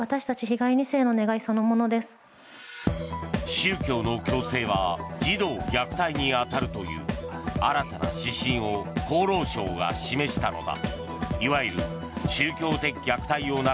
宗教の強制は児童虐待に当たるという新たな指針を厚労省が示したのだ。